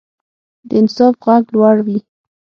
د انصاف غږ لوړ وي